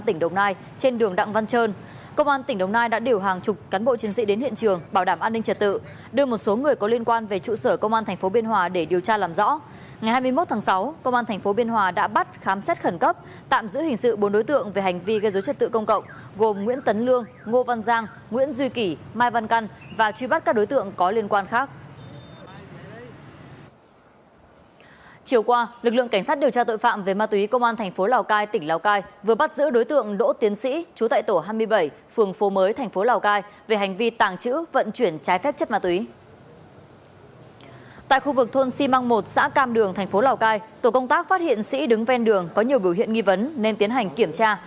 tại khu vực thôn si măng một xã cam đường thành phố lào cai tổ công tác phát hiện sĩ đứng ven đường có nhiều biểu hiện nghi vấn nên tiến hành kiểm tra